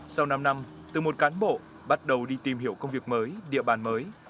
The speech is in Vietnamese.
sau năm năm từ một cán bộ bắt đầu đi tìm hiểu công việc mới địa bàn mới